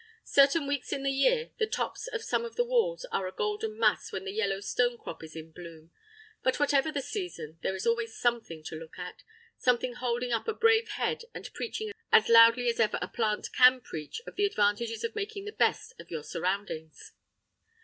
Certain weeks in the year the tops of some of the walls are a golden mass when the yellow stonecrop is in bloom; but whatever the season, there is always something to look at—something holding up a brave head and preaching as loudly as ever a plant can preach of the advantages of making the best of your surroundings.